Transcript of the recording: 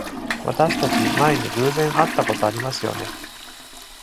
私たち、前に偶然会ったことありますよね？